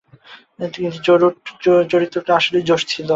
কিন্তু জো চরিত্রটা আসলেই জোশ ছিল।